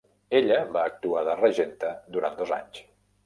Ella va actuar de regenta durant dos anys.